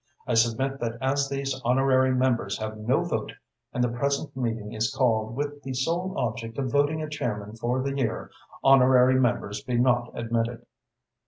I submit that as these honorary members have no vote and the present meeting is called with the sole object of voting a chairman for the year, honorary members be not admitted."